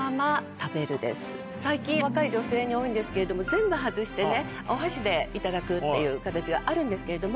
最近若い女性に多いんですけれども全部外してお箸でいただくっていう形があるんですけれども。